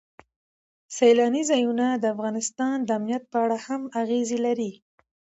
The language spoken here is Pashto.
سیلانی ځایونه د افغانستان د امنیت په اړه هم اغېز لري.